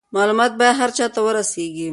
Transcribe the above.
معلومات باید هر چا ته ورسیږي.